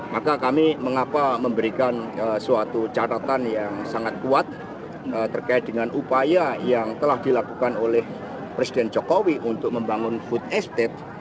maka kami mengapa memberikan suatu catatan yang sangat kuat terkait dengan upaya yang telah dilakukan oleh presiden jokowi untuk membangun food estate